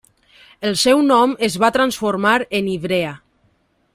El seu nom es va transformar en Ivrea.